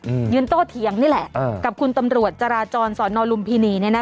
อืมยืนโต้เทียงนี่แหละกับคุณตำตรวจจาราจรส่อนนองลูมพินีนี่นะคะ